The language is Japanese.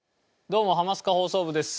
どうも『ハマスカ放送部』です。